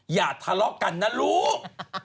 อย่าทะเลาะกันนะลูก